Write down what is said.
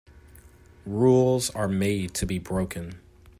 Rules are made to be broken.